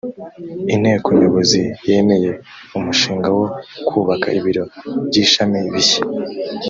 inteko nyobozi yemeye umushinga wo kubaka ibiro by’ishami bishya